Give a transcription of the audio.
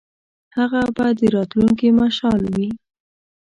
هغه به د راتلونکي مشعل وي.